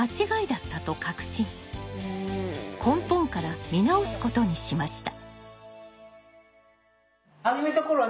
根本から見直すことにしました。